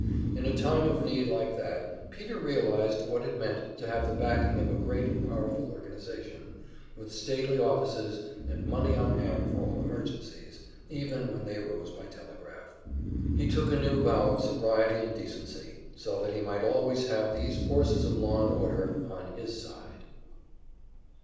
In a time of need like that Peter realized what it meant to have the backing of a great and powerful organization, with stately offices and money on hand for all emergencies, even when they arose by telegraph. He took a new vow of sobriety and decency, so that he might always have these forces of law and order on his side.